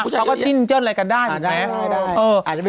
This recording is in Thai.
เขาก็จิ้นเจิ้นอะไรกันได้อยู่แม้